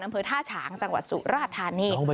อำเภอท่าฉางจังหวัดสุราธานี